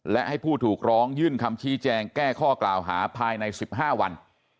และให้ผู้ถูกร้องยื่นคำชี้แจงแก้ข้อกล่าวหาภายใน๑๕วัน